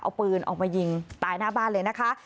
เอาปืนออกมายิงตายหน้าบ้านเลยนะคะ